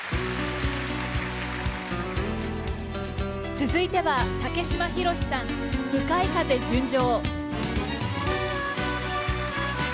続いては竹島宏さん「向かい風純情」。